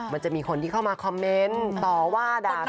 มันจะมีคนที่เข้ามาคอมเมนต์ต่อว่าด่า